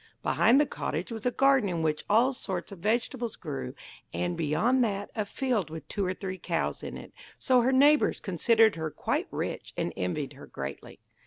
Behind the cottage was a garden in which all sorts of vegetables grew, and, beyond that, a field with two or three cows in it, so her neighbours considered her quite rich, and envied her greatly.